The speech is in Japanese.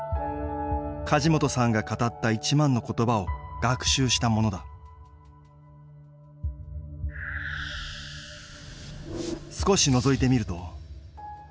梶本さんが語った１万の言葉を学習したものだ少しのぞいてみると。